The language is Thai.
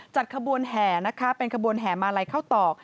จัดขบวนแห่นะคะเป็นขบวนแห่มาลัยเข้าตอก